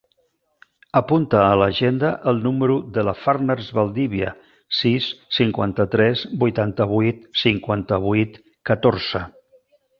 Apunta a l'agenda el número de la Farners Valdivia: sis, cinquanta-tres, vuitanta-vuit, cinquanta-vuit, catorze.